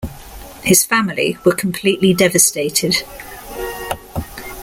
His family were completely devastated.